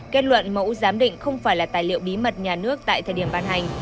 kết luận mẫu giám định không phải là tài liệu bí mật nhà nước tại thời điểm ban hành